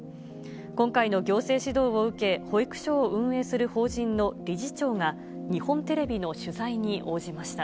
今回の行政指導を受け、保育所を運営する法人の理事長が、日本テレビの取材に応じました。